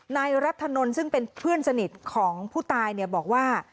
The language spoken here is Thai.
นายรัฐนนท์ซึ่งเป็นเพื่อนสนิทของผู้ตายบอกว่า